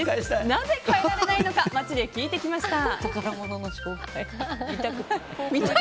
なぜ替えられないのか街で聞いてみました。